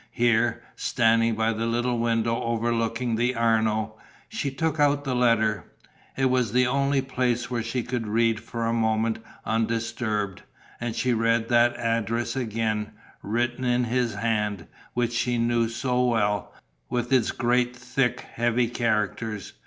Here, standing by the little window overlooking the Arno, she took out the letter. It was the only place where she could read for a moment undisturbed. And she read that address again, written in his hand, which she knew so well, with its great thick, heavy characters.